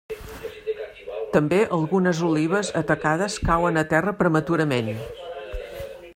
També algunes olives atacades cauen a terra prematurament.